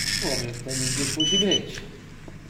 "Człowiek ten gdzieś musi być."